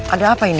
ada apa ini